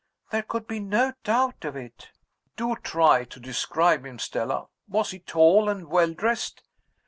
"There could be no doubt of it." "Do try to describe him, Stella. Was he tall and well dressed?"